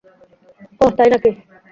ওহ, তাই না কি?